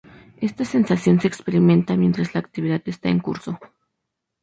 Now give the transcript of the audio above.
Esta sensación se experimenta mientras la actividad está en curso.